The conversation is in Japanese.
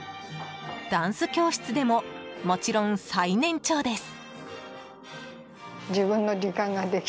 ダンス教室でももちろん最年長です。